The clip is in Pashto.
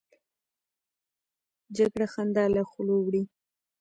جګړه خندا له خولو وړي